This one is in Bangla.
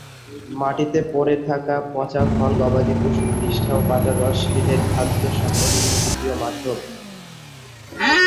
মাটিতে পরে থাকা পচা ফল, গবাদি পশুর বিষ্ঠা ও পাতার রস এদের খাদ্য সংগ্রহের অতি প্রিয় মাধ্যম।